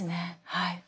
はい。